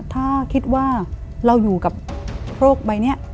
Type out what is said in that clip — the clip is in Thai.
ถ้าคิดว่าเราอยู่กับโรคใบนี้